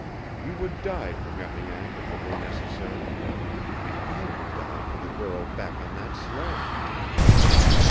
You would die for Mariane if it were necessary. And I would die for the girl back on that sledge."